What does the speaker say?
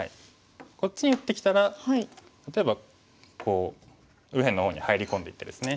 こっちに打ってきたら例えばこう右辺の方に入り込んでいってですね。